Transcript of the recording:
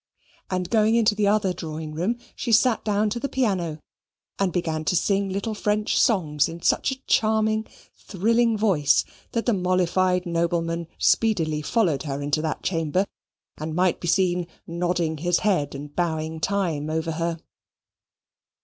And, going into the other drawing room, she sat down to the piano and began to sing little French songs in such a charming, thrilling voice that the mollified nobleman speedily followed her into that chamber, and might be seen nodding his head and bowing time over her.